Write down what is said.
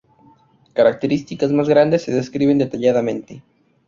Características más grandes se describen detalladamente.